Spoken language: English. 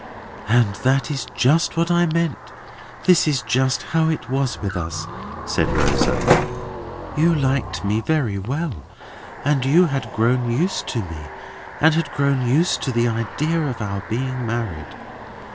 "And that is just what I mean; that is just how it was with us," said Rosa. "You liked me very well, and you had grown used to me, and had grown used to the idea of our being married.